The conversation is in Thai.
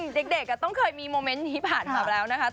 เนอะจริงเด็กอ่ะต้องเคยมีโมเมนต์นี้ผ่านมาแล้วนะครับ